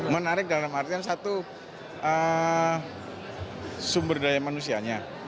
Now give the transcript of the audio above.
menarik dalam artian satu sumber daya manusianya